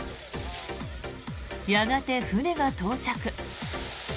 やがて船が到着。